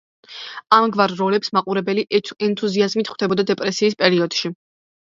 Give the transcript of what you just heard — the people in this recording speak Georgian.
ამგვარ როლებს მაყურებელი ენთუზიაზმით ხვდებოდა დეპრესიის პერიოდში.